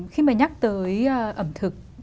khi mà nhắc tới ẩm thực